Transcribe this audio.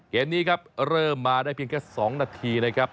เกมนี้ครับเริ่มมาได้เพียงแค่๒นาทีนะครับ